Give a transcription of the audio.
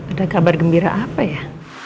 ada kabar gembira apa ya